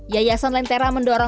yaya sonlentera mendukung